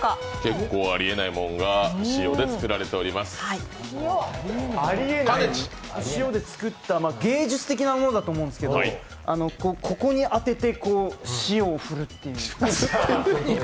塩で作った芸術的なものだと思うんですけどここに当てて、塩を振るっていう。